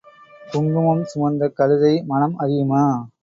குங்குமம் சுமந்த கழுதை மணம் அறியுமா?